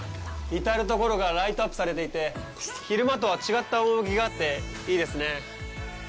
至る所がライトアップされていて、昼間とは違った趣があって、いいですね。